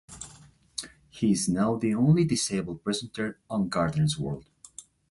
He is now the only disabled presenter on Gardeners World.